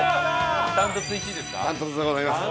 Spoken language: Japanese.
断トツ１位ですか？